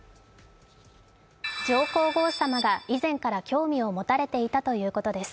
上皇后さまが以前から興味を持たれていたということです。